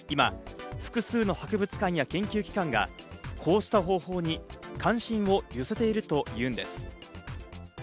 今、複数の博物館や研究機関がこうした方法に関心を寄せているというんです。